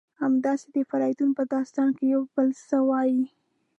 همداسې د فریدون په داستان کې یو بل ځل وایي: